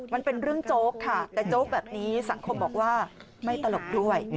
มันเป็นเรื่องโจ๊กค่ะแต่โจ๊กแบบนี้สังคมบอกว่าไม่ตลกด้วย